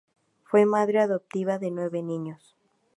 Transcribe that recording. Fue madre adoptiva de nueve niños.